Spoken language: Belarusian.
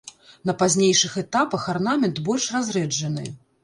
На пазнейшых этапах арнамент больш разрэджаны.